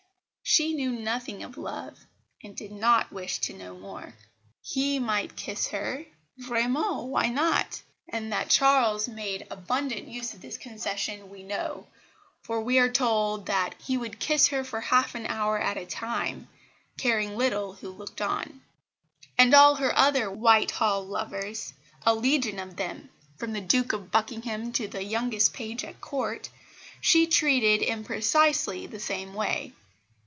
She knew nothing of love, and did not wish to know more. He might kiss her vraiment why not? and that Charles made abundant use of this concession, we know, for we are told that "he would kiss her for half an hour at a time," caring little who looked on. And all her other Whitehall lovers a legion of them, from the Duke of Buckingham to the youngest page at Court, she treated in precisely the same way.